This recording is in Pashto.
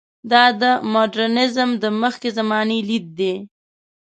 دا د مډرنیزم د مخکې زمانې لید دی.